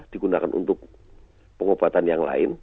digunakan untuk pengobatan yang lain